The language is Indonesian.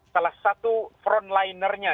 salah satu frontlinernya